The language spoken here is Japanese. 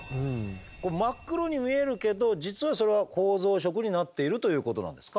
これ真っ黒に見えるけど実はそれは構造色になっているということなんですか？